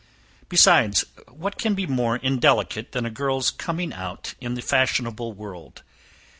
Besides, what can be more indelicate than a girl's coming out in the fashionable world?